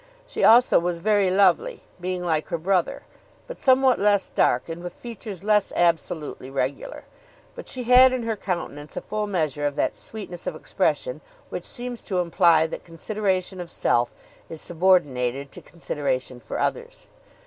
She also was very lovely, being like her brother; but somewhat less dark and with features less absolutely regular. But she had in her countenance a full measure of that sweetness of expression which seems to imply that consideration of self is subordinated to consideration for others.